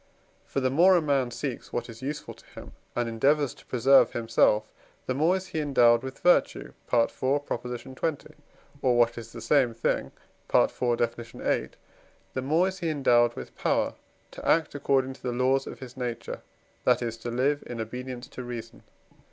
For the more a man seeks what is useful to him and endeavours to preserve himself, the more is he endowed with virtue (IV. xx.), or, what is the same thing (IV. Def. viii.), the more is he endowed with power to act according to the laws of his own nature, that is to live in obedience to reason.